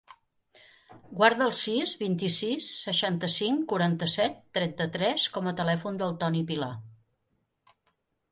Guarda el sis, vint-i-sis, seixanta-cinc, quaranta-set, trenta-tres com a telèfon del Toni Pilar.